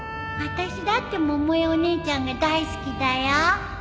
あたしだって百恵お姉ちゃんが大好きだよ